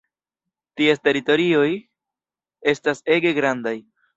Ties teritorioj estas ege grandaj.